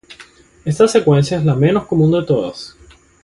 Esta secuencia es la menos común de todas.